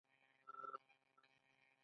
مینه د زړونو ترمنځ پل جوړوي.